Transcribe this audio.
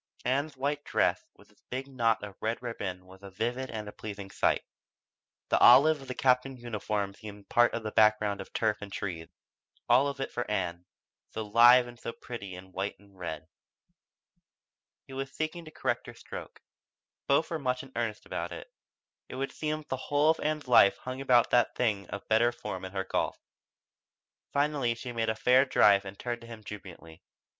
Ann's white dress with its big knot of red ribbon was a vivid and a pleasing spot. The olive of the Captain's uniform seemed part of the background of turf and trees all of it for Ann, so live and so pretty in white and red. He was seeking to correct her stroke. Both were much in earnest about it. It would seem that the whole of Ann's life hung upon that thing of better form in her golf. Finally she made a fair drive and turned to him jubilantly.